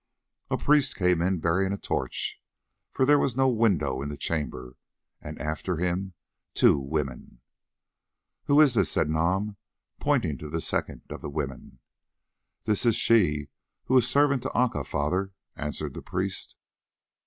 A priest came in bearing a torch, for there was no window to the chamber, and after him two women. "Who is this?" said Nam, pointing to the second of the women. "This is she who is servant to Aca, Father," answered the priest.